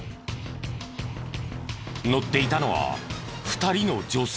乗っていたのは２人の女性。